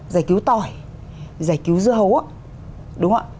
giải cứu tỏi giải cứu dưa hấu đúng không ạ